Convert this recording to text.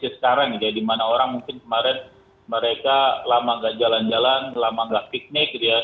kondisi sekarang ya di mana orang mungkin kemarin mereka lama tidak jalan jalan lama tidak piknik ya